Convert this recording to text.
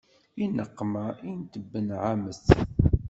I neqma n tbenɛemmet.